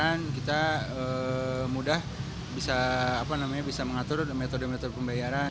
dan kita mudah bisa mengatur metode metode pembayaran